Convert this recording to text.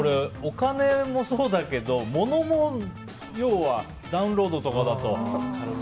お金もそうだけど物も、ダウンロードとかだと。